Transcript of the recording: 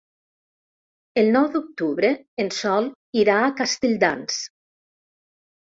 El nou d'octubre en Sol irà a Castelldans.